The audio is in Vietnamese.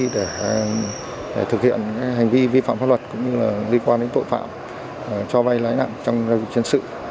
để thực hiện hành vi vi phạm pháp luật cũng như liên quan đến tội phạm cho vay lãi nặng trong trận sự